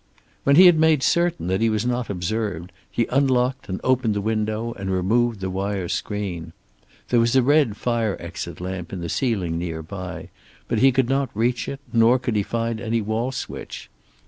When he had made certain that he was not observed he unlocked and opened the window, and removed the wire screen. There was a red fire exit lamp in the ceiling nearby, but he could not reach it, nor could he find any wall switch.